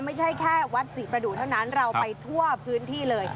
ไม่ใช่แค่วัดศรีประดูกเท่านั้นเราไปทั่วพื้นที่เลย